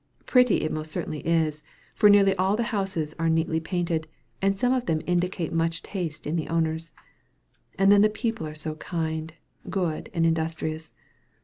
Pretty it most certainly is for nearly all the houses are neatly painted, and some of them indicate much taste in the owners. And then the people are so kind, good, and industrious.